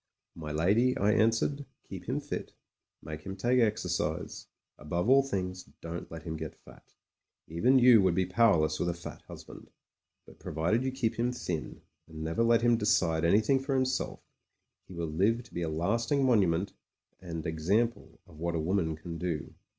"My lady," I answered, "keep him fit; make him take exercise: above all things don't let him get fat. Even you would be powerless with a fat husband. But provided you keep him thin, and never let him decide an3rthing for himself, he will live to be a last ing monument and example of what a woman can do.